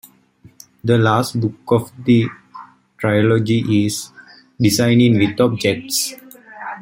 The last book of the trilogy is "Designing with Objects".